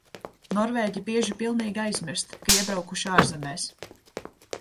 Norvēģi bieži pilnīgi aizmirst, ka iebraukuši ārzemēs.